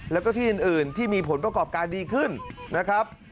แล้วก็ที่อื่นที่มีผลประกอบการดีขึ้นนะครับ